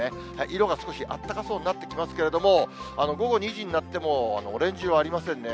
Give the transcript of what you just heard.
色が少しあったかそうになってきますけれども、午後２時になっても、オレンジ色ありませんね。